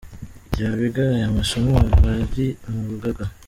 ry’abiga ayo masomo, abari mu rugaga.